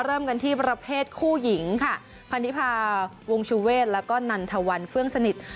เริ่มกันที่ประเภทคู่หญิงค่ะพันธิพาวงชูเวศแล้วก็นันทวันเฟื่องสนิท